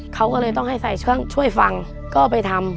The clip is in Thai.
เขาก็เลยต้องให้ใส่เครื่องช่วยฟังก็ไปทำ